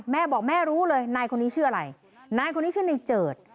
แม่บอกแม่รู้เลยนายคนนี้ชื่ออะไรนายคนนี้ชื่อนายเจิด